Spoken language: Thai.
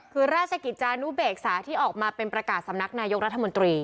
คือราชกิจจานุเบกษาที่ออกมาเป็นประกาศสำนักนายกรัฐมนตรี